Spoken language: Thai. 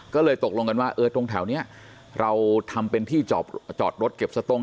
ก็เลยตกลงกันว่าตรงแถวนี้เราทำเป็นที่จอดรถเก็บสต้ง